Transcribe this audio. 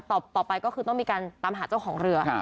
ต่อไปก็คือต้องมีการตามหาเจ้าของเรือ